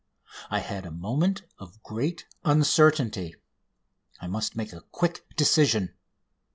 I had a moment of great uncertainty. I must make a quick decision.